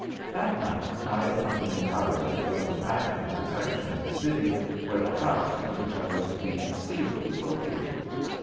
That night I accompanied Huyliger to a fashionable section of the city where the house in which I was to be concealed was located.